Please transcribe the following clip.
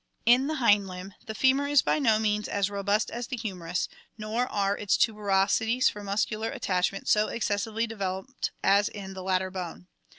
In the hind limb the femur is by no means as robust as the humerus, nor are its tuberosities for muscular attach ment so excessively developed as in the latter bone.